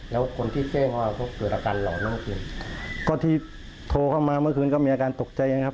แล้วคนที่แจ้งว่าเขาเกิดอาการเหล่านอกคืนก็ที่โทรเข้ามาเมื่อคืนก็มีอาการตกใจนะครับ